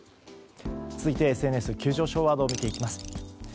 続いてＳＮＳ急上昇ワードを見ていきます。